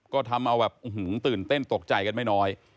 เอาแบบอื้อหือตื่นเต้นตกใจกันไม่น้อย